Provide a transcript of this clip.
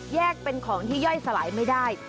แยกเป็นของที่ย่อยสลายไม่ได้